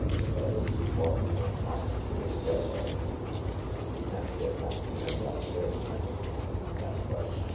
"But I don't see why you want Moffett to make a get away." "He can't get past the men down stairs, can he?" "That's right.